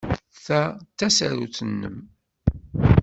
Ta d tasarut-nnem.